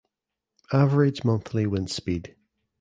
Average monthly windspeed